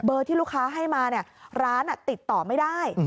ที่ลูกค้าให้มาเนี่ยร้านติดต่อไม่ได้